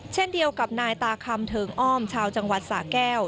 เช่นเดียวกับนายตาคำเทิงอ้อมชาวจังหวัดสะแก้ว